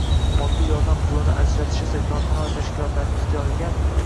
Moddiy yordam pulini ajratish esa korxona va tashkilotlarning ixtiyoriga